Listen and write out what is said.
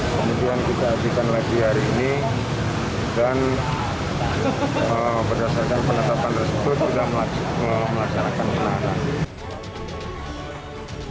kemudian kita hadirkan lagi hari ini dan berdasarkan penetapan tersebut sudah melaksanakan penahanan